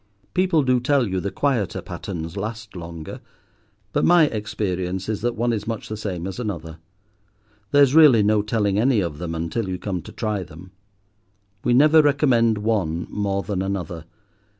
People do tell you the quieter patterns last longer; but my experience is that one is much the same as another. There's really no telling any of them until you come to try them. We never recommend one more than another.